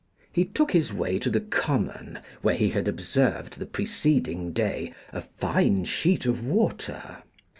He took his way to the common where he had observed the preceding day, a fine sheet of water.